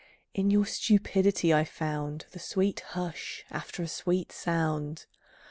In your stupidity I found The sweet hush after a sweet sound.